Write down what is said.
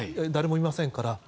誰もいませんから。